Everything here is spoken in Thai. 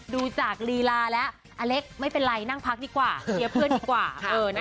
ดูจากลีลาแล้วอเล็กไม่เป็นไรนั่งพักดีกว่าเชียร์เพื่อนดีกว่า